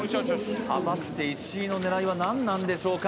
果たして石井の狙いは何なんでしょうか？